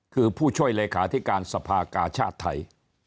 คือผู้ช่วยเลขาธิการสภากาชาติไทย